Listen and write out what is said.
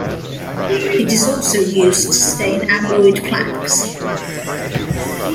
It is also used to stain amyloid plaques.